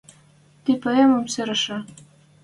Ти поэмым сирӹшӹ.